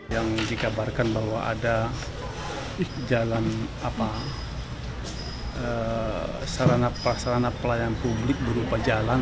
yang dikabarkan bahwa ada jalan sarana prasarana pelayanan publik berupa jalan